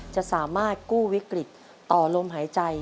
จะสามารถกู้วิกฤตต่อลมหายใจ